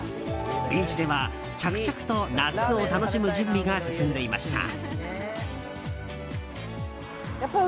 ビーチでは着々と夏を楽しむ準備が進んでいました。